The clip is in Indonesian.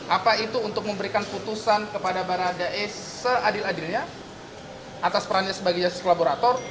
apa itu untuk memberikan putusan kepada baradae seadil adilnya atas perannya sebagai justice kolaborator